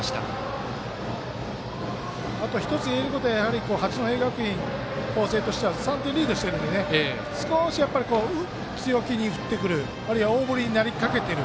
１つ言えることは八戸学院光星としては３点リードしてるので少し強気に振ってくるあるいは大振りになりかけてる。